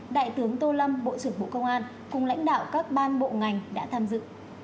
đại tướng tô lâm bộ trưởng bộ công an cùng lãnh đạo các ban bộ ngành đã tham dự